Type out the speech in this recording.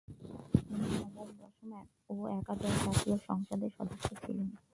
তিনি নবম, দশম ও একাদশ জাতীয় সংসদের সদস্য ছিলেন।